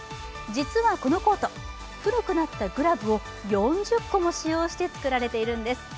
実はこのコート、古くなったグラブを４０個も使用して作られているんです。